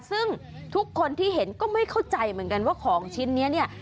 ซึ่งทุกคนที่เห็นก็ไม่เข้าใจเหมือนกันว่าของชิ้นนี้เนี่ย